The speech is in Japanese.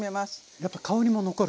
やっぱり香りも残る。